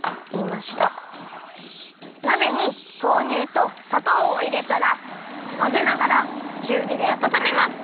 なべに豆乳とさとうをいれたらまぜながらちゅうびであたためます。